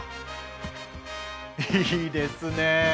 いいですね！